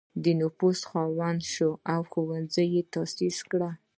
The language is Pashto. د نفوذ خاوند شو او ښوونځي یې تأسیس کړل.